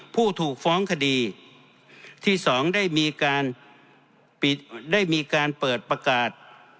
ผู้ถูกฟ้องคดีที่๒ได้มีการเปิดประกาศ